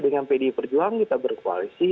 dengan pdi perjuangan kita berkoalisi